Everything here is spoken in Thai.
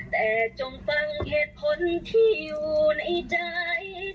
แต่จงฟังเหตุผลที่อยู่ในใจ